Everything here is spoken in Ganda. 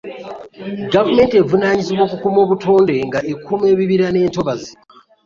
Gavumenti evunanyizibwa okukuma obutonfe nga ekuuma ebibira n'entobazi.